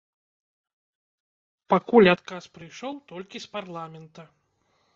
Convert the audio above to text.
Пакуль адказ прыйшоў толькі з парламента.